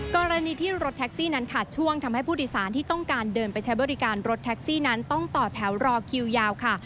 กรณีที่รถแท็กซี่นั้นขาดช่วงทำให้ผู้โดยสารที่ต้องการเดินไปใช้บริการรถแท็กซี่นั้นต้องต่อแถวรอคิวยาวค่ะ